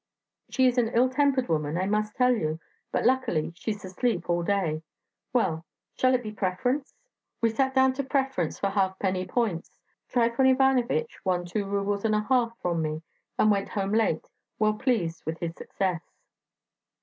She is an ill tempered woman, I must tell you, but luckily she's asleep all day... Well, shall it be preference?" We sat down to preference for halfpenny points. Trifon Ivanich won two rubles and a half from me, and went home late, well pleased with his success.